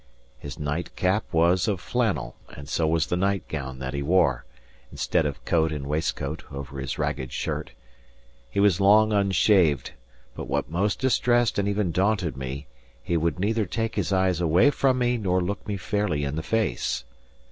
His nightcap was of flannel, and so was the nightgown that he wore, instead of coat and waistcoat, over his ragged shirt. He was long unshaved; but what most distressed and even daunted me, he would neither take his eyes away from me nor look me fairly in the face.